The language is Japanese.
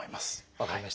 分かりました。